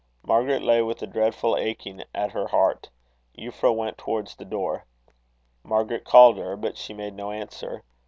Margaret lay with a dreadful aching at her heart. Euphra went towards the door. Margaret called her, but she made no answer.